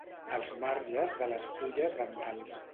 Els marges de les fulles dentats.